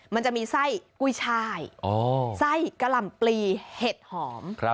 มันจะมีไส้กุ้ยชายไส้กะหล่ำปลีเห็ดหอม